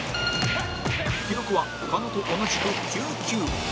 記録は狩野と同じく９球